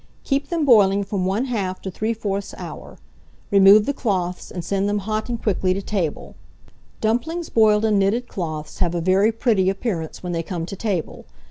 Keep them boiling from 1/2 to 3/4 hour; remove the cloths, and send them hot and quickly to table. Dumplings boiled in knitted cloths have a very pretty appearance when they come to table.